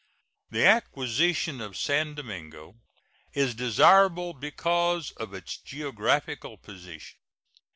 The acquisition of San Domingo is desirable because of its geographical position.